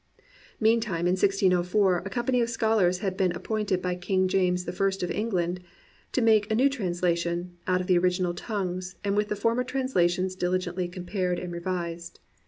Meantime, in 1604, a company of scholars had been app>ointed by King James I in England to make a new translation " out of the original tongues, and with the former translations diligently com pared and revised."